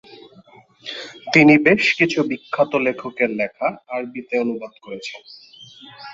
তিনি বেশ কিছু বিখ্যাত লেখকের লেখা আরবিতে অনুবাদ করেছেন।